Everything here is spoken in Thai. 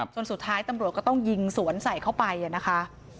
สุดท้ายตำรวจก็ต้องยิงสวนใส่เข้าไปนะคะ